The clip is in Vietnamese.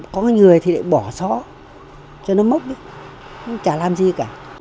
có người thì lại bỏ xó cho nó mốc đi chả làm gì cả